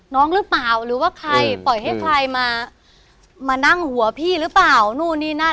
น้องหรือเปล่าหรือว่าใครปล่อยให้ใครมามานั่งหัวพี่หรือเปล่านู่นนี่นั่น